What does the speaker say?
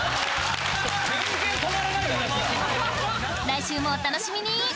来週もお楽しみに！